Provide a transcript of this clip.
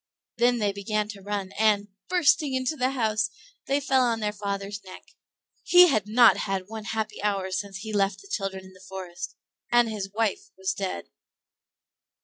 Then they began to run, and, bursting into the house, they fell on their father's neck. He had not had one happy hour since he had left the children in the forest; and his wife was dead.